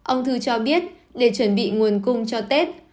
ông thư cho biết để chuẩn bị nguồn cung cho tết